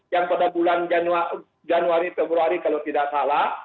yang pada bulan januari februari kalau tidak salah